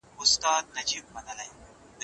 په تول کې کمي ونه کړو.